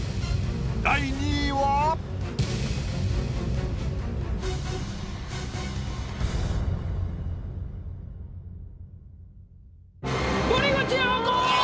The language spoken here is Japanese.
第２位は⁉森口瑤子！